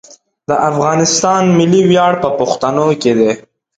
د افغانستان ملي ویاړ په پښتنو کې دی.